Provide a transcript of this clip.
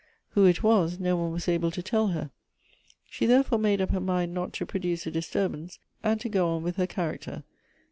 Who it was, no one was able to tell her. She therefore made up her mind not to produce a dis turbance, and to go on with her character.